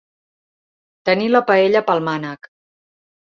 Tenir la paella pel mànec.